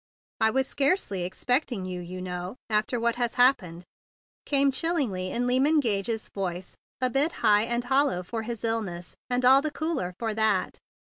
"I was scarcely expecting you, you know, after what has happened," came chillingly in Lyman Gage's voice, a bit high and hollow from his illness, and all the cooler for that.